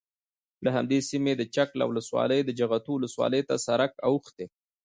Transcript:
له همدې سیمې د چک له ولسوالۍ د جغتو ولسوالۍ ته سرک اوښتی،